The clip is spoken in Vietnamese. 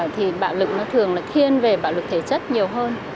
thì bạo lực nó thường là thiên về bạo lực thể chất nhiều hơn